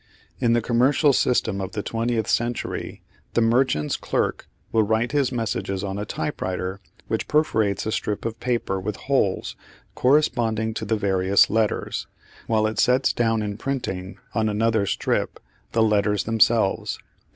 In the commercial system of the twentieth century the merchant's clerk will write his messages on a typewriter which perforates a strip of paper with holes corresponding to the various letters, while it sets down in printing, on another strip, the letters themselves.